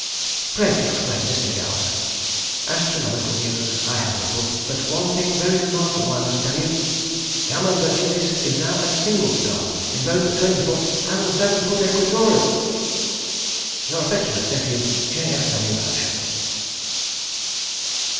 Pray explain this to Gauss.... Astronomical news I have little, but one thing very remarkable I must tell you, γ Virginis is now a single star in both the twenty foot and the seven foot equatorial!!! Your affectionate nephew, J. F. W. HERSCHEL.